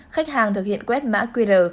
khách hàng thực hiện quét mã qr